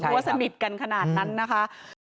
เพราะว่าสนิทกันขนาดนั้นนะคะ